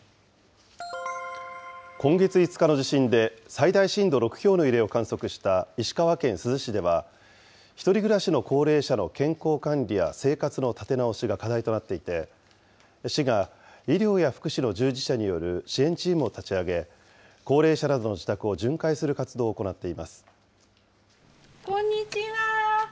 今月５日の地震で最大震度６強の揺れを観測した石川県珠洲市では、１人暮らしの高齢者の健康管理や生活の立て直しが課題となっていて、市が医療や福祉の従事者による支援チームを立ち上げ、高齢者などの自宅を巡回する活動を行っています。